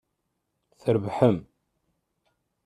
Trebḥem!